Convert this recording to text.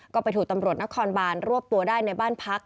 ก็ไปถูกตำรวจนครบานรวบตัวได้ในบ้านพัก